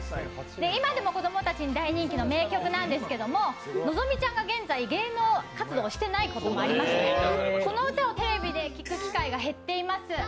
今でも子供たちに大人気の名曲なんですけど、のぞみちゃんが現在、芸能活動をしていないこともありましてこの歌をテレビで聴く機会が減っています。